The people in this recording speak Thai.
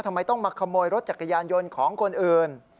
ทำไมต้องมาขโมยรถจักรยานยนต์ของคนอื่น